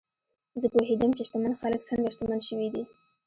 زه پوهېدم چې شتمن خلک څنګه شتمن شوي دي.